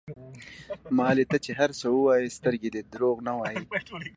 مالې ته چې هر څه ووايې سترګې دې دروغ نه وايي.